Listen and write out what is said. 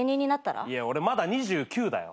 俺まだ２９だよ。